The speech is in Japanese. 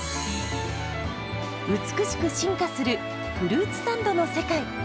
美しく進化するフルーツサンドの世界。